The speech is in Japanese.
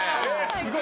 すごい。